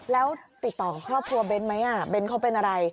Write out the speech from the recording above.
แล้วติดต่อครอบครัวเบนท์ไหมอ่ะเบนท์เขาเป็นอะไร